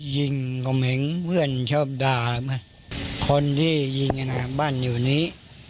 ยิงผมเห็นเพื่อนชอบด่าคนที่ยิงบ้านอยู่นี้